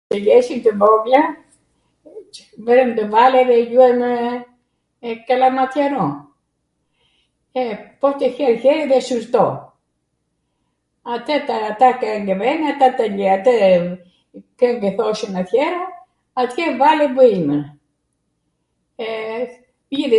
qw jeshim tw vogla, vejm ndw valle dhe ljuajmw kallamatiano, e pote her her dhe sirto, atw kwngw venw, atw kwng e thoshwm atjera, atje valle bwjmw, ee, pire